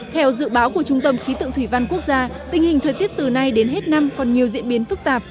theo dự báo của trung tâm khí tượng thủy văn quốc gia tình hình thời tiết từ nay đến hết năm còn nhiều diễn biến phức tạp